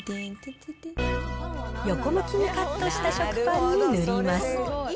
横向きにカットした食パンに塗ります。